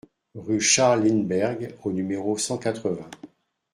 Rue Charles Lindberg au numéro cent quatre-vingts